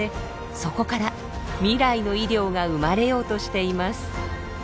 そこから未来の医療が生まれようとしています。